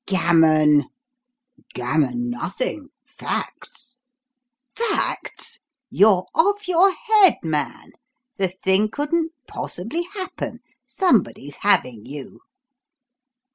"Gammon!" "Gammon nothing! Facts!" "Facts? You're off your head, man. The thing couldn't possibly happen. Somebody's having you!"